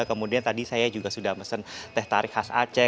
kemudian tadi saya juga sudah mesen teh tarik khas aceh